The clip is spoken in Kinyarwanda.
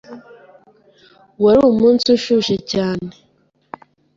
Wari umunsi ushushe cyane.